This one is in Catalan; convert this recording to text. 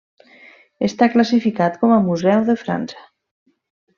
Està classificat com a Museu de França.